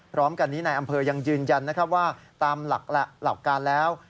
พร้อมกันนี้นายอำเภอยังยืนยันนะครับว่าตามหลักการแล้ว